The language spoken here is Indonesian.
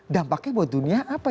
dampaknya buat dunia apa